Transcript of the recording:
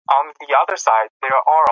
موږ باید په پردیسۍ کې یو بل ته لاس ورکړو.